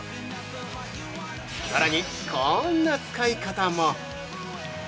さらに、こんな使い方も！